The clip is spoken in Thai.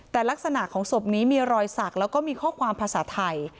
แต่ลักษณะของศพนี้มีรอยสักแล้วก็มีข้อความภาษาไทย